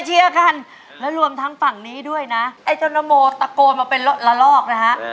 เชียวกันและรวมทั้งฝั่งนี้ด้วยนะไอ้ท่านมอมตะโกลมาเป็นรถละรอกนะคะ